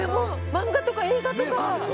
漫画とか映画とか。